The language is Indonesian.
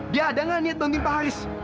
dia ada gak niat nontonin pak haris